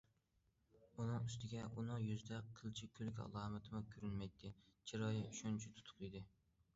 ئۇنىڭ ئۈستىگە ئۇنىڭ يۈزىدە قىلچە كۈلگە ئالامىتىمۇ كۆرۈنمەيتتى، چىرايى شۇنچە تۇتۇق ئىدى.